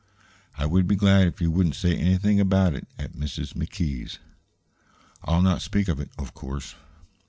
I would be glad if you wouldn't say anything about it at Mrs. McKee's." "I'll not speak of it, of course."